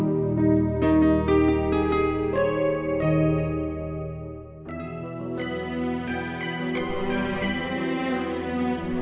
ya sayang yuk